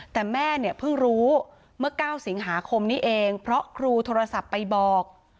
แต่แม่เนี่ยเพิ่งรู้เมื่อ๙สิงหาคมนี้เองเพราะครูโทรศัพท์ไปบอก